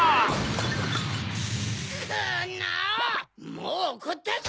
もうおこったぞ！